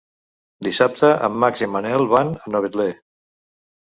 Dissabte en Max i en Manel van a Novetlè.